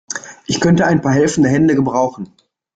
Ich könnte ein paar helfende Hände gebrauchen.